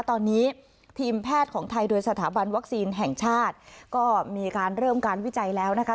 ตอนนี้ทีมแพทย์ของไทยโดยสถาบันวัคซีนแห่งชาติก็มีการเริ่มการวิจัยแล้วนะคะ